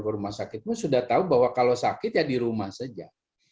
ke rumah sakit pun sudah tahu bahwa kalau sakit ya di rumah saja